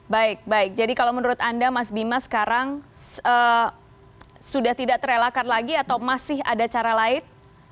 baik baik jadi kalau menurut anda mas bima sekarang sudah tidak terelakkan lagi atau masih ada cara lain